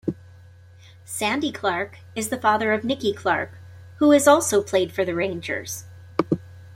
Sandy Clark is the father of Nicky Clark, who has also played for Rangers.